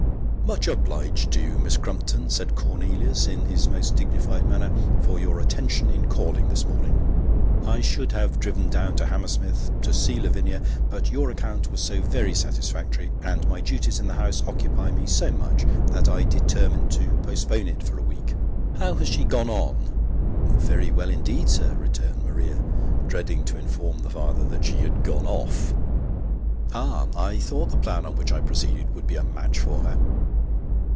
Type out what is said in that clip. " Much obliged to you, Miss Crumpton," said Cornelius, in his most dignified manner, " for your attention in calling this morning. I should have driven down to Hammersmith, to see Lavinia, but your account was so very satisfactory, and my duties in the House occupy me so much, that I determined to postpone it for a week. How has she gone on ?"" Very well indeed, sir," returned Maria, dreading to inform the father that she had gone off. " Ah, I thought the plan on which I proceeded would be a match for her."